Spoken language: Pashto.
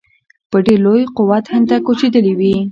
په ډېر لوی قوت هند ته کوچېدلي وي.